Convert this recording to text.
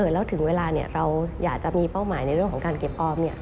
แล้วถึงเวลาเราอยากจะมีเป้าหมายในเรื่องของการเก็บออม